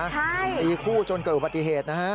ใช่ตีคู่จนเกิดปฏิเหตุนะฮะ